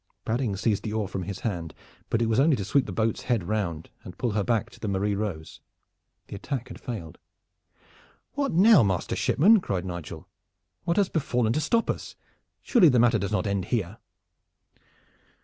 Badding seized the oar from his hand; but it was only to sweep the boat's head round and pull her back to the Marie Rose. The attack had failed. "What now, master shipman?" cried Nigel. "What has befallen to stop us? Surely the matter does not end here?"